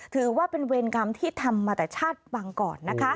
ถือว่าเป็นเวรกรรมที่ทำมาแต่ชาติบังก่อนนะคะ